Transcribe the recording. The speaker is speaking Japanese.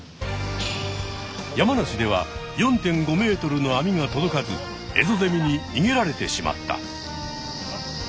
山梨では４．５ｍの網が届かずエゾゼミににげられてしまった。